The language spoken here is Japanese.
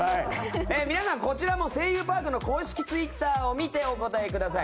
皆さん、こちらも「声優パーク」の公式ツイッターを見てお答えください。